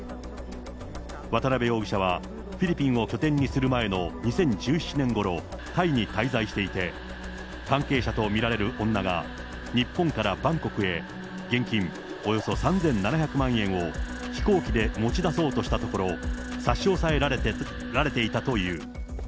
渡辺容疑者はフィリピンを拠点にする前の２０１７年ごろ、タイに滞在していて、関係者と見られる女が、日本からバンコクへ、現金およそ３７００万円を飛行機で持ち出そうとしたところ、差し押さえられていたという。